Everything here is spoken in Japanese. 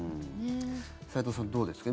齊藤さん、どうですか。